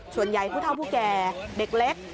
ส่วนใหญ่ผู้เท่าผู้แก่เด็กเล็ก